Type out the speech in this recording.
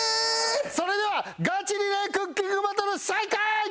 それではガチリレークッキングバトル再開！